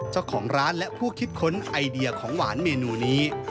เจ้าของร้านและผู้คิดค้นไอเดียของหวานเมนูนี้